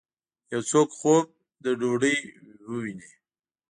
یو څوک خوب د ډوډۍ وویني